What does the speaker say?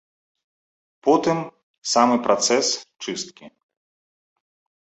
Потым самы працэс чысткі.